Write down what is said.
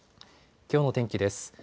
きょうの天気です。